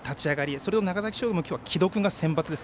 それを長崎商業も城戸君が先発です。